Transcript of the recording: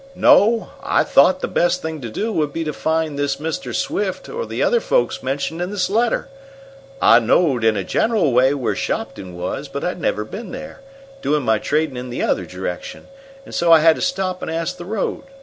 "No. I thought the best thing to do would be to find this Mr. Swift, or the other folks mentioned in this letter. I knowed, in a general way, where Shopton was, but I'd never been there, doing my tradin' in the other direction, and so I had to stop and ask the road.